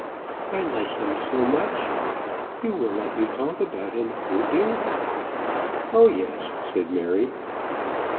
"I like him so much. You will let me talk about him; won't you?" "Oh, yes," said Mary.